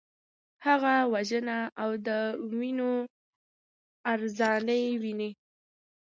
هغه وژنه او د وینو ارزاني ویني.